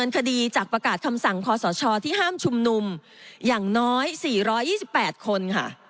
อย่างน้อย๔๒๘คน